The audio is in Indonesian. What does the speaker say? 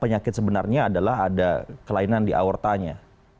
penyakit sebenarnya adalah ada kelainan di aortanya